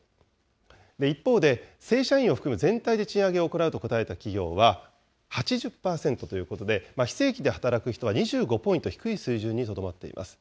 一方で、正社員を含む全体で賃上げを行うと答えた企業は８０％ということで、非正規で働く人は２５ポイント低い水準にとどまっています。